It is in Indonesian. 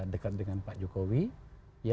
dekat dengan pak jokowi